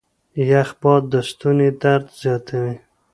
يخ باد د ستوني درد زياتوي.